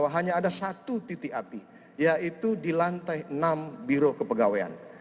hanya ada satu titik api yaitu di lantai enam biro kepegawaian